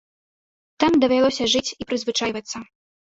Там давялося жыць і прызвычайвацца.